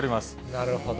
なるほど。